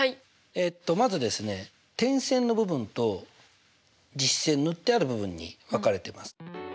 えっとまずですね点線の部分と実線塗ってある部分に分かれてます。